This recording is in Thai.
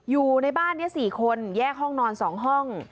อยู่ในบ้านนี้๔คนแยกห้องนอน๒ห้อง